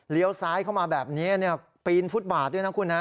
ซ้ายเข้ามาแบบนี้ปีนฟุตบาทด้วยนะคุณฮะ